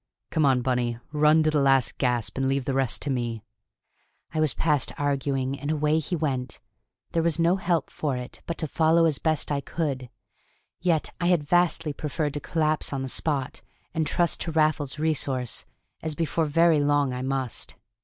Come on, Bunny; run to the last gasp, and leave the rest to me." I was past arguing, and away he went. There was no help for it but to follow as best I could. Yet I had vastly preferred to collapse on the spot, and trust to Raffles's resource, as before very long I must.